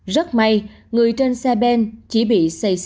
rất may người trên xe bên chỉ bị